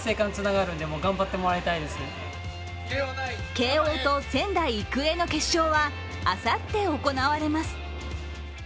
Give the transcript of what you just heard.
慶応と仙台育英の決勝はあさって行われます